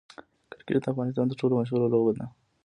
کرکټ د افغانستان تر ټولو مشهوره لوبه ده.